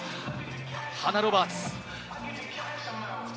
ハナ・ロバーツ。